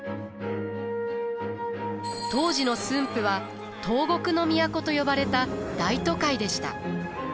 当時の駿府は東国の都と呼ばれた大都会でした。